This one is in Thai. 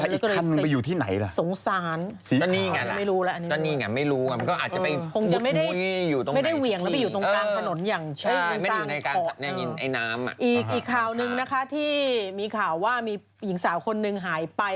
ถ้าอีกคำมันไปอยู่ที่ไหนล่ะสีขาวไม่รู้ล่ะมันก็อาจจะไม่พุดมุ้ยอยู่ตรงไหนสิอีกข่าวนึงนะคะที่มีข่าวว่ามีหญิงสาวคนนึงหายไป